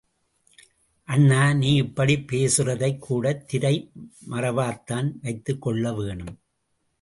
அண்ணா, நீ இப்படிப் பேசுறதைக் கூட திரை மறைவாத்தான் வைத்துக் கொள்ள வேணும்.